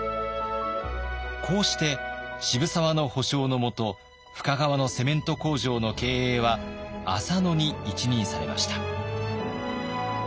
こうして渋沢の保証のもと深川のセメント工場の経営は浅野に一任されました。